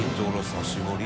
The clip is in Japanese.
刺し盛り？